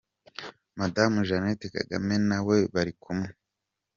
Madamu Jeannette Kagame na we bari kumwe.